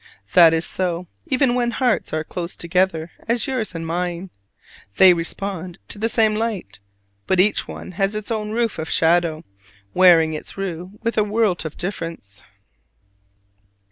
That is so, even when hearts are as close together as yours and mine: they respond to the same light: but each one has its own roof of shadow, wearing its rue with a world of difference.